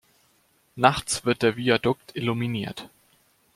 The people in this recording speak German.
Nachts wird der Viadukt illuminiert.